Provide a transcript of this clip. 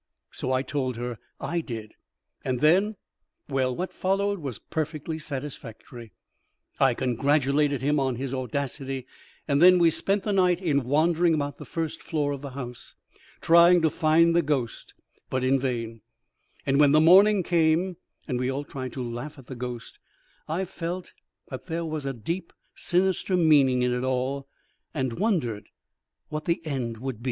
So I told her I did, and then well, what followed was perfectly satisfactory." I congratulated him on his audacity, and then we spent the night in wandering about the first floor of the house, trying to find the ghost, but in vain; and when the morning came, and we all tried to laugh at the ghost, I felt that there was a deep, sinister meaning in it all, and wondered what the end would be.